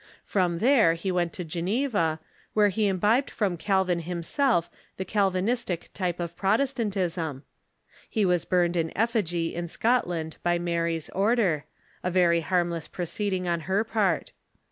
From there he went to Geneva, where he imbibed from Calvin himself the Calvinistic type of Protestantism, He was burned in effigy in Scotland by Mary's order — a very harmless proceeding on her part.